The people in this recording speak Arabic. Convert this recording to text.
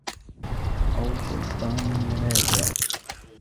أَوْ سُلْطَانٌ رَادِعٌ